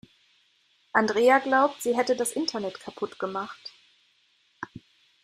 Andrea glaubt, sie hätte das Internet kaputt gemacht.